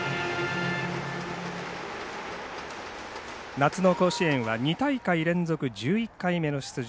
夏の甲子園は２大会連続１１回目の出場。